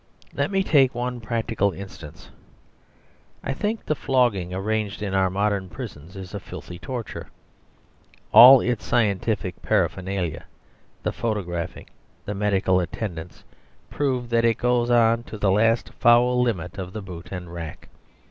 Let me take one practical instance. I think the flogging arranged in our modern prisons is a filthy torture; all its scientific paraphernalia, the photographing, the medical attendance, prove that it goes to the last foul limit of the boot and rack.